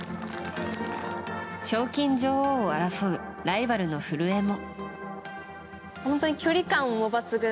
賞金女王を争うライバルの古江も。